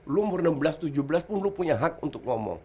lu umur enam belas tujuh belas pun lu punya hak untuk ngomong